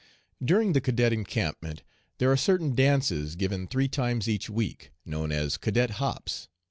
"During the cadet encampment there are certain dances given three times each week, known as 'Cadet Hops.'